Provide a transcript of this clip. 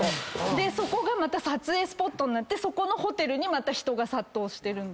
そこがまた撮影スポットになってそこのホテルにまた人が殺到してる。